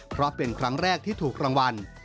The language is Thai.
เพราะเป็นครั้งแรกที่ถูกรางวัล